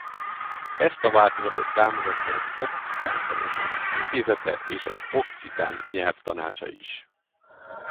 Ezt a változatot támogatja az Okcitán Tanulmányok Intézete és az Okcitán Nyelv Tanácsa is.